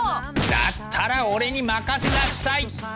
だったらオレに任せなさい！